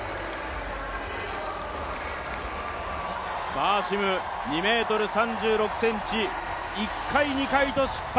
バーシム、２ｍ３６ｃｍ、１回、２回と失敗。